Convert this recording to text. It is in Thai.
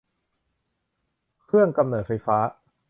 เครื่องกำเนิดไฟฟ้า